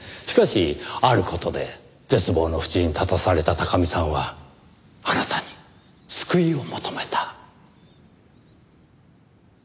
しかしある事で絶望のふちに立たされた貴巳さんはあなたに救いを求めた。